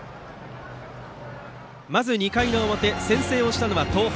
まず２回の表先制をしたのは東邦。